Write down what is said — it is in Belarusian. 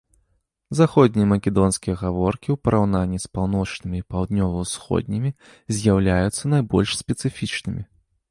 Заходнія македонскія гаворкі ў параўнанні з паўночнымі і паўднёва-ўсходнімі з'яўляюцца найбольш спецыфічнымі.